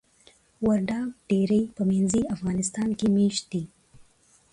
وردګ ډیری په منځني افغانستان کې میشت دي.